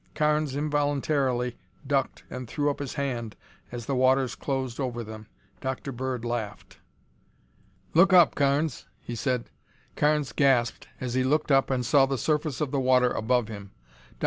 Carnes involuntarily ducked and threw up his hand as the waters closed over them. Dr. Bird laughed. "Look up, Carnes," he said. Carnes gasped as he looked up and saw the surface of the water above him. Dr.